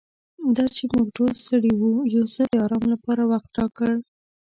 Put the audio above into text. دا چې موږ ټول ستړي وو یوسف د آرام لپاره وخت راکړ.